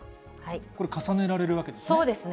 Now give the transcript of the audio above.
これ、重ねられるわけですね。